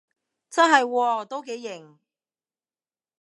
真係喎，都幾型